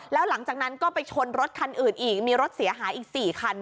แล้วหลังจากนั้นก็ไปชนรถคันอื่นอีกมีรถเสียหายอีก๔คัน